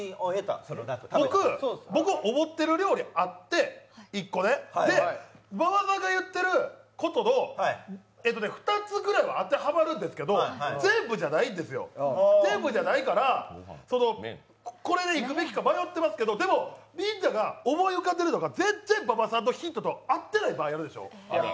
僕、思ってる料理、一個あって、馬場さんが言ってることの２つぐらいは当てはまるんですけど全部じゃないんですよ、全部じゃないから、これでいくべきか迷ってますけど、きむが思い浮かんでるのと全然、馬場さんのヒントと合ってない場合あるでしょ。